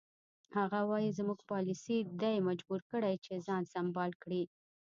هغه وایي زموږ پالیسي دی مجبور کړی چې ځان سمبال کړي.